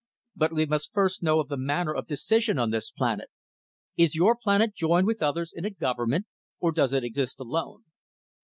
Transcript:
But we must first know of the manner of decision on this planet. Is your planet joined with others in a government or does it exist alone?"